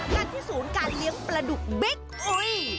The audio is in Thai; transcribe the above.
กันที่ศูนย์การเลี้ยงปลาดุกบิ๊กอุ๊ย